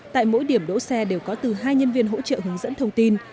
tại mỗi điểm đỗ xe đều có từ hai nhân viên hỗ trợ hướng dẫn thông tin